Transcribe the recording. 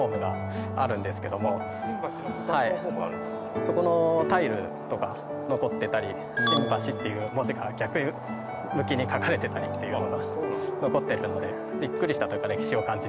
そこのタイルとか残ってたり「新橋」っていう文字が逆向きに書かれてたりっていうのが残っているのでビックリしたというか歴史を感じた。